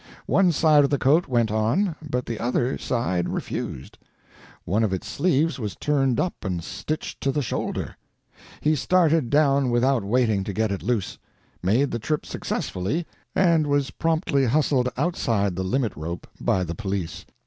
One side of the coat went on, but the other side refused; one of its sleeves was turned up and stitched to the shoulder. He started down without waiting to get it loose, made the trip successfully, and was promptly hustled outside the limit rope by the police.